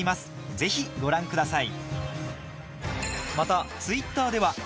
ぜひご覧ください